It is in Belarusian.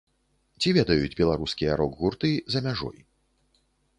Ці ведаюць беларускія рок-гурты за мяжой?